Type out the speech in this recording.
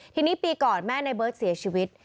ทีนี้ปีก่อนแม่ในเบิร์ตเสียชีวิต